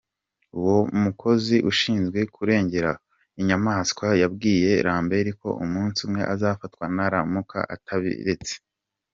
Uwo mukozi ushinzwe kurengera inyamaswa yabwiye Lambert ko umunsi umwe azafatwa naramuka atabiretse.